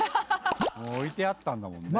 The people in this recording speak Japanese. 「置いてあったんだもんね」